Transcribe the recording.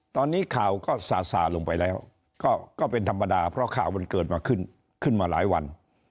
ตอนนี้ข่าวก็สาลงไปแล้วก็เป็นธรรมดาเพราะข่าวมันเกิดขึ้นขึ้นมาหลายวัน